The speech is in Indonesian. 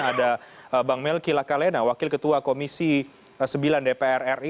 ada bang melki lakalena wakil ketua komisi sembilan dpr ri